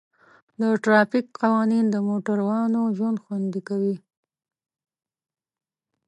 د ټرافیک قوانین د موټروانو ژوند خوندي کوي.